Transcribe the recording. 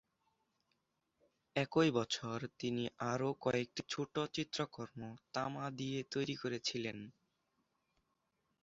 একই বছর তিনি আরও কয়েকটি ছোট চিত্রকর্ম তামা দিয়ে তৈরি করেছিলেন।